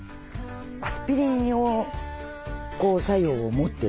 アスピリン様作用を持ってて。